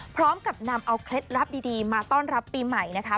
พร้อมกับนำเอาเคล็ดลับดีมาต้อนรับปีใหม่นะคะ